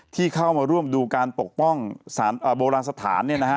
ที่เข้ามาร่วมดูการปกป้องโบราณสถาน